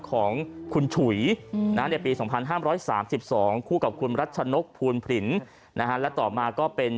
ของคุณฉุยในปี๒๕๓๒คู่กับคุณรัชนกภูลผลินและต่อมาก็เป็น